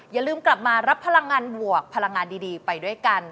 อย่าลืมกลับมารับพลังงานบวกพลังงานดีไปด้วยกัน